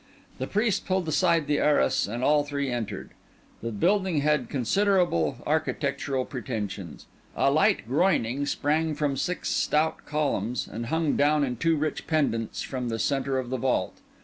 The priest pulled aside the arras, and all three entered. The building had considerable architectural pretensions. A light groining sprang from six stout columns, and hung down in two rich pendants from the centre of the vault.